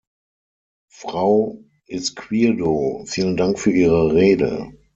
Frau Izquierdo, vielen Dank für Ihre Rede.